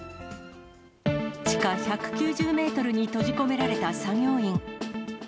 地下１９０メートルに閉じ込められた作業員。